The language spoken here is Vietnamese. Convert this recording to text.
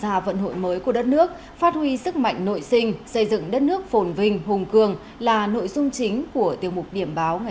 xuân mới mở ra vận hội mới của đất nước phát huy sức mạnh nội sinh xây dựng đất nước phồn vinh hùng cường là nội dung chính của tiểu mục điểm báo nay